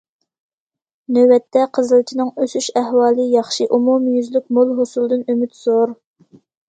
نۆۋەتتە، قىزىلچىنىڭ ئۆسۈش ئەھۋالى ياخشى، ئومۇميۈزلۈك مول ھوسۇلدىن ئۈمىد زور.